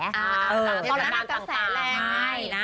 ต่างกระแสแรง